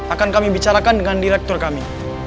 akan kami bicarakan dengan direktur kami